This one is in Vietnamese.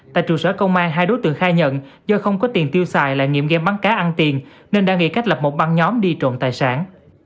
tại trụ sở công an hai đối tượng khai nhận do không có tiền tiêu xài lại nghiệm game bắn cá ăn tiền nên đã nghị kết lập một băng nhóm đi trộn tài sản